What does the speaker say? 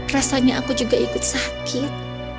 rasanya aku juga ikut sakit